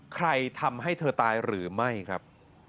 ใครทำให้เธอตายหรือไม่ครับ